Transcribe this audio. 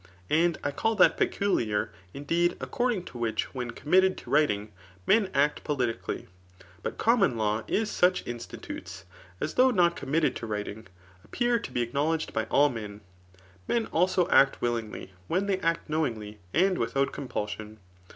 And I call that peculiar, indeed, according tb which when committed to writing, men act politically/ But common hw is such institutes, as though not com«> mitted to writing appear to be acknowledged by all men. Men also act wfflingly when they act knowingly, and without compulsion.